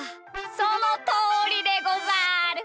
そのとおりでござる！